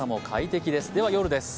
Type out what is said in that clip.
では夜です。